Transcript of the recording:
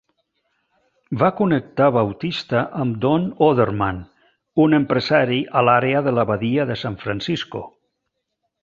Va connectar Bautista amb Don Odermann, un empresari a l'àrea de la badia de San Francisco.